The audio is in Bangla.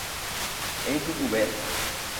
এটুকুই, ব্যস।